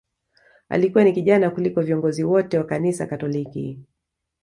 Alikuwa ni kijana kuliko viongozi wote wa kanisa Katoliki